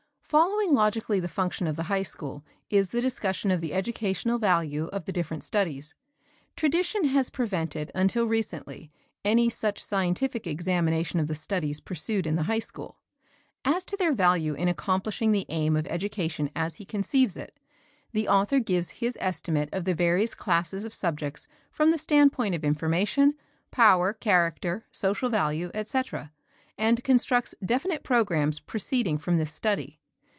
Following logically the function of the high school, is the discussion of the educational value of the different studies. Tradition has prevented until recently any such scientific examination of the studies pursued in the high school. As to their value in accomplishing the aim of education as he conceives it, the author gives his estimate of the various classes of subjects from the standpoint of information, power, character, social value, etc., and constructs definite programs proceeding from this study.